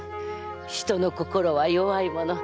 人の心は弱いもの